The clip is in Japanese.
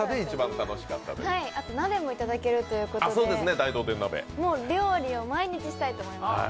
あと鍋もいただけるということで、料理を毎日したいと思います。